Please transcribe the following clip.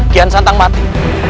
kian santang mati